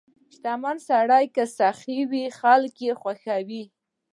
• شتمن سړی که سخي وي، خلک یې خوښوي.